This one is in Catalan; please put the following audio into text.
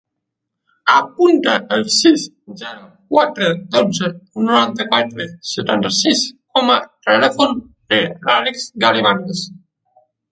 Apunta el sis, zero, quatre, dotze, noranta-quatre, setanta-sis com a telèfon de l'Àlex Gavilanes.